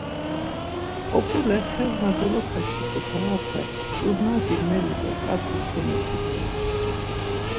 Oǩule xes na dolokaçutu parape ǩurnazi meli do ǩat̆us komeçu doren.